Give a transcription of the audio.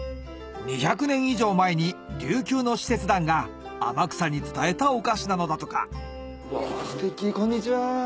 ２００年以上前に琉球の使節団が天草に伝えたお菓子なのだとかうわステキこんにちは。